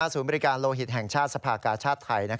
ศูนย์บริการโลหิตแห่งชาติสภากาชาติไทย